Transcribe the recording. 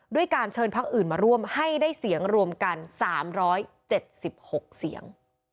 ด้วยการเชิญพักอื่นมาร่วมให้ได้เสียงรวมกัน๓๗๖เสียง